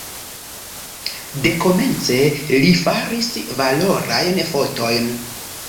Dekomence li faris valorajn fotojn.